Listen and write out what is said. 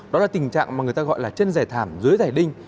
đó là tình trạng mà người ta gọi là chân giải thảm dưới giải đinh